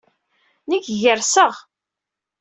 Nekk gerseɣ.